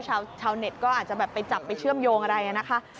ชาวเน็ตก็อาจจะแบบไปจับไปเชื่อมโยงอะไรนะคะ